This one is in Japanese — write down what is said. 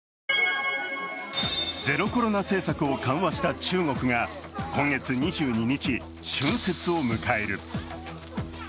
ゼロコロナ政策を緩和した中国が今月２２日、春節を迎える。